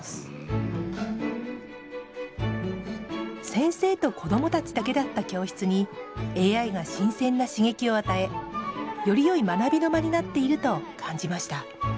先生と子どもたちだけだった教室にＡＩが新鮮な刺激を与えよりよい学びの場になっていると感じました。